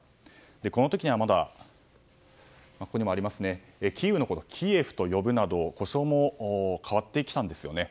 この時には、まだキーウのことをキエフと呼ぶなど呼称も変わってきたんですよね。